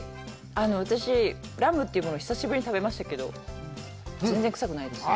私、ラムというものを久しぶりに食べましたけど、全然臭くないですね。